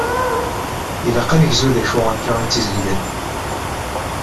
Ilaq ad negzu d acu akka i tt-izelgen.